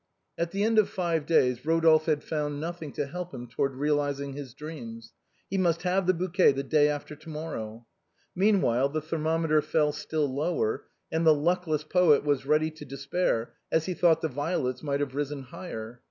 At the end of five days, Rodolphe had found nothing to help him toward realizing his dream. He must have the bouquet the day after to morrow. Meanwhile, the ther mometer fell still lower, and the luckless poet was ready to despair as he thought that the violets might have risen higher.